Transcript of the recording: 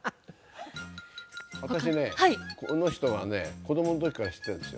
私ね、この人はね、子どものときから知ってるんですよ。